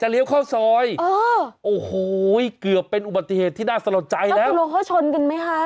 จะเลี้ยวข้อซอยเออโอ้โหเกือบเป็นอุบัติเหตุที่น่าสนใจนะฮะแล้วตัวรถเขาชนกันไหมฮะ